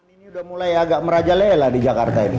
ini udah mulai agak merajalela di jakarta ini